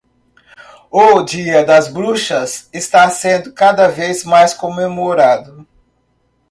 O dia das bruxas está sendo cada vez mais comemorado